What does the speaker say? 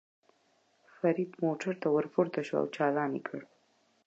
فرید موټر ته ور پورته شو او چالان یې کړ.